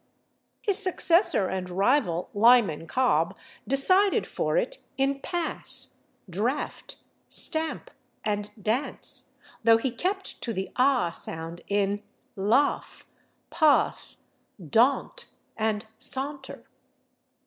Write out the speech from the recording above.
His successor and rival, Lyman Cobb, decided for it in /pass/, /draft/, /stamp/ and /dance/, though he kept to the /ah/ sound in /laugh/, /path/, /daunt/ and /saunter